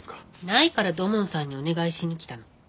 ないから土門さんにお願いしに来たの。